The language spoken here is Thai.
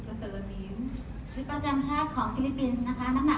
ชีวิตประจำชาติของฟิลิปปินซ์มันหนักถึง๕๐กิโลกรัม